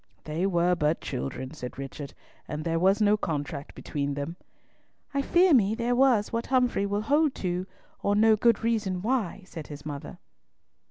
"They were but children," said Richard; "and there was no contract between them." "I fear me there was what Humfrey will hold to, or know good reason why," said his mother.